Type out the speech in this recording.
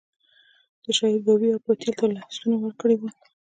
د شهید بابی او پتیال ته لیستونه ورکړي ول.